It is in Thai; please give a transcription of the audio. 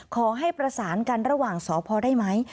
ขอให้ประสานกันระหว่างสพได้ไหม